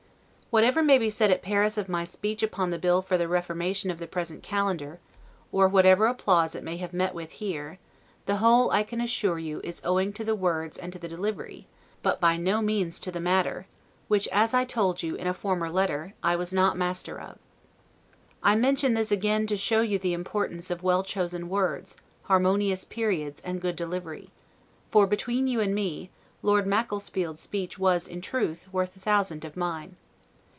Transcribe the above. Whatever may be said at Paris of my speech upon the bill for the reformation of the present calendar, or whatever applause it may have met with here, the whole, I can assure you, is owing to the words and to the delivery, but by no means to the matter; which, as I told you in a former letter, I was not master of. I mention this again, to show you the importance of well chosen words, harmonious periods, and good delivery; for, between you and me, Lord Macclefield's speech was, in truth, worth a thousand of mine.